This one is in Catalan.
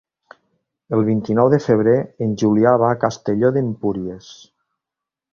El vint-i-nou de febrer en Julià va a Castelló d'Empúries.